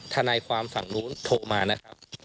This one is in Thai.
ทนายความฝั่งนู้นโทรมานะครับ